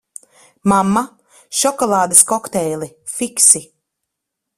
Mamma, šokolādes kokteili, fiksi!